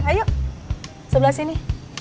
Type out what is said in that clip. ayo sebelah sini